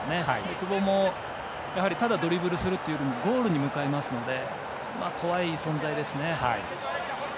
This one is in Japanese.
久保もただドリブルするというよりもゴールに向かいますので怖い存在ですね。